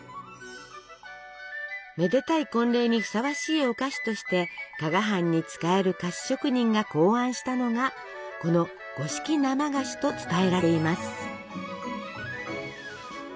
めでたい婚礼にふさわしいお菓子として加賀藩に仕える菓子職人が考案したのがこの五色生菓子と伝えられています。